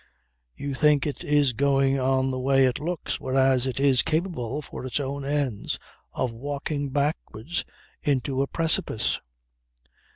You think it is going on the way it looks, whereas it is capable, for its own ends, of walking backwards into a precipice.